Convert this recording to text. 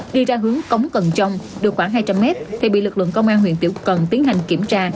đi ra hướng cống cần trông được khoảng hai trăm linh mét thì bị lực lượng công an huyện tiểu cần tiến hành kiểm tra